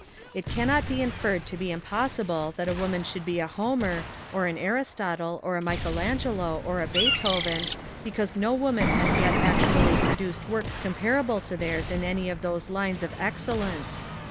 It cannot be inferred to be impossible that a woman should be a Homer, or an Aristotle, or a Michaelangelo, or a Beethoven, because no woman has yet actually produced works comparable to theirs in any of those lines of excellence.